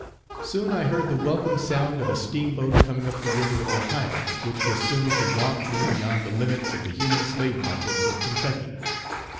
Soon I heard the welcome sound of a Steamboat coming up the river Ohio, which was soon to waft me beyond the limits of the human slave markets of Kentucky.